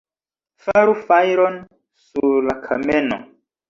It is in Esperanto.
Faru fajron sur la kameno!